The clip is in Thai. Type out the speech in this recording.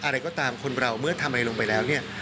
อะไรก็ตามคนเราเมื่อทำอะไรลงไปแล้วเนี่ย